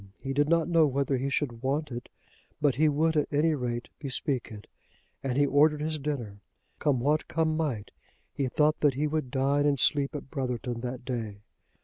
He did not know whether he should want it, but he would at any rate bespeak it. And he ordered his dinner. Come what come might, he thought that he would dine and sleep at Brotherton that day.